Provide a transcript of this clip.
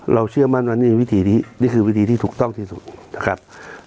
เชื่อมั่นว่านี่วิธีนี้นี่คือวิธีที่ถูกต้องที่สุดนะครับ